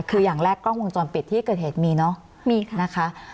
คืออย่างแรกกล้องวงจรปิดที่เกิดเหตุมีเนอะมีค่ะนะคะ